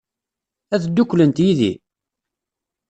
Ad dduklent yid-i?